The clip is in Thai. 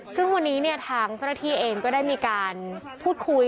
ซึ่งวันนี้เนี่ยทางเจ้าหน้าที่เองก็ได้มีการพูดคุย